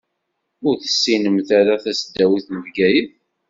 Ur tessinemt ara tasdawit n Bgayet.